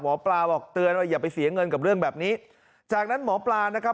หมอปลาบอกเตือนว่าอย่าไปเสียเงินกับเรื่องแบบนี้จากนั้นหมอปลานะครับ